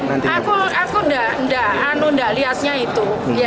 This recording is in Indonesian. aku tidak lihatnya itu